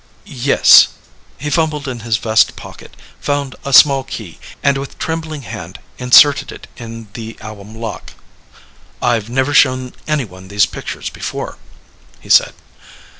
"Yes." He fumbled in his vest pocket, found a small key, and with trembling hand inserted it in the album lock. "I've never shown anyone these pictures before," he said.